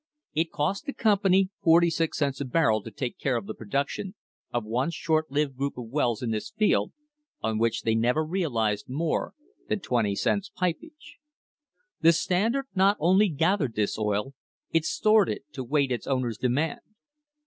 It cost the company forty six cents a barrel to take care of the production of one short lived group of wells in this field, on which they never realised more than twenty cents pipage. The Standard not only gathered this oil ; it stored it, to wait its owner's demand.